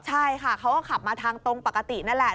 ใช่ค่ะเขาก็ขับมาทางตรงปกตินั่นแหละ